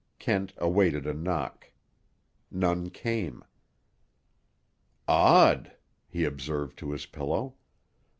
Kent awaited a knock. None came. "Odd!" he observed to his pillow.